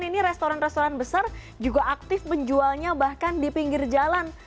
ini restoran restoran besar juga aktif menjualnya bahkan di pinggir jalan